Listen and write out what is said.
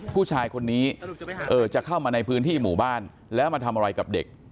ผู้ชายคนนี้จะเข้ามาในพื้นที่หมู่บ้านแล้วมาทำอะไรกับเด็ก